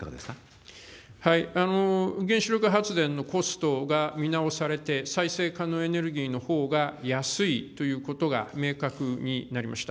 原子力発電のコストが見直されて、再生可能エネルギーのほうが安いということが明確になりました。